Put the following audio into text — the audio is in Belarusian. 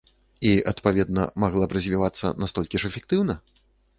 І, адпаведна, магла б развівацца настолькі ж эфектыўна?